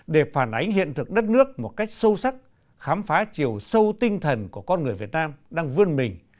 để phản ánh hiện thực đất nước một cách sâu sắc khám phá chiều sâu tinh thần của con người việt nam đang vươn mình